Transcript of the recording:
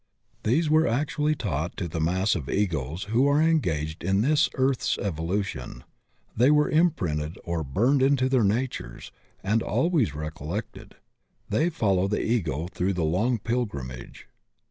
These were actually taught to the mass of Egos who are engaged in this earth's evolution; they were imprinted or burned into their natures, and always recollected; they follow the Ego through the long pilgrimage.